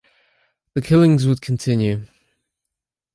The killings would continue.